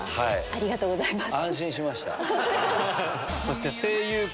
ありがとうございます。